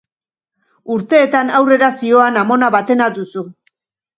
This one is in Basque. Urteetan aurrera zihoan amona batena duzu.